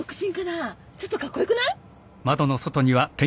ちょっとカッコ良くない？